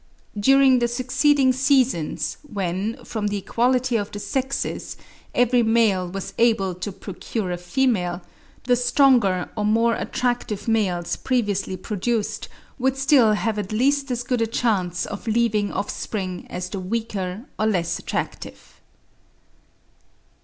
During the succeeding seasons, when, from the equality of the sexes, every male was able to procure a female, the stronger or more attractive males previously produced would still have at least as good a chance of leaving offspring as the weaker or less attractive.